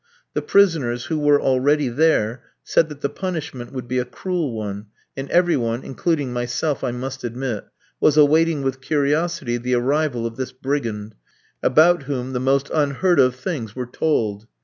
The prisoners who were already there said that the punishment would be a cruel one, and every one including myself I must admit was awaiting with curiosity the arrival of this brigand, about whom the most unheard of things were told.